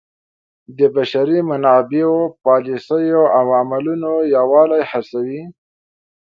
د بشري منابعو پالیسیو او عملونو یووالی هڅوي.